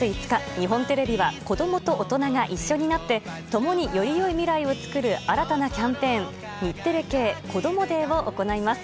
日本テレビは子供と大人が一緒になって共により良い未来を作る新たなキャンペーン日テレ系こどもｄａｙを行います。